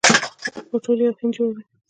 خو ټول یو هند جوړوي.